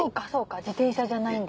自転車じゃないんだ。